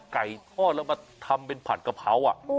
ไก่ทอดแล้วมาทำเป็นผัดกะเพรา